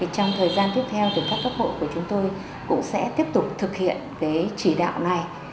trong thời gian tiếp theo các cấp hội của chúng tôi cũng sẽ tiếp tục thực hiện chỉ đạo này